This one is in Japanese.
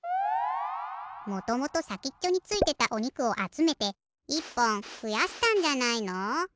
もともとさきっちょについてたおにくをあつめて１ぽんふやしたんじゃないの？